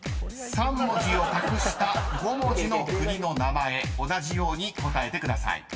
［３文字を隠した５文字の国の名前同じように答えてください］